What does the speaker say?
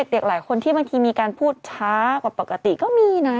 เด็กหลายคนที่บางทีมีการพูดช้ากว่าปกติก็มีนะ